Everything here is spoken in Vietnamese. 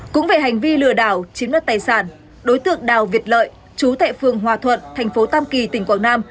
cũng về hành vi lừa đảo chiếm đoạt tài sản đối tượng đào việt lợi chú tệ phương hòa thuận thành phố tam kỳ tỉnh quảng nam